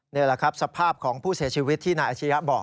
นี่แหละครับสภาพของผู้เสียชีวิตที่นายอาชียะบอก